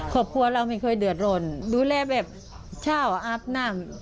ครอบครัวเราไม่เคยเดือดร้อนดูแลแบบเช่าอาบน้ำ